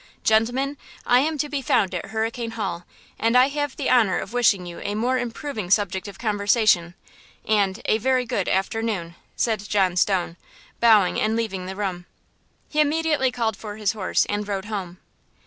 Gentlemen, I am to be found at Hurricane Hall, and I have the honor of wishing you a more improving subject of conversation, and–a very good afternoon," said John Stone, bowing and leaving the room. He immediately called for his horse and rode home.